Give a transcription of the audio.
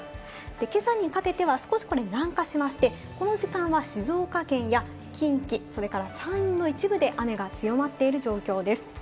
今朝にかけては少し、これ南下しまして、この時間は静岡県や近畿、それから山陰の一部で雨が強まっている状況です。